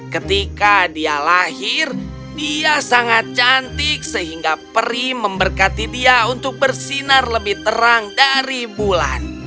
ketika dia lahir dia sangat cantik sehingga peri memberkati dia untuk bersinar lebih terang dari bulan